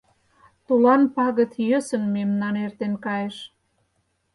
Тулан пагыт йӧсын мемнан эртен кайыш.